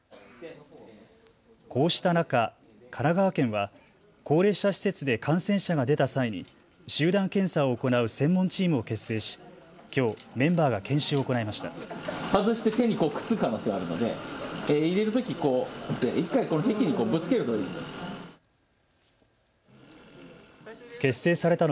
こうした中、神奈川県は高齢者施設で感染者が出た際に集団検査を行う専門チームを結成しきょうメンバーが研修を行いました。